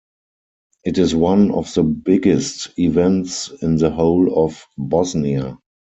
It is one of the biggest events in the whole of Bosnia.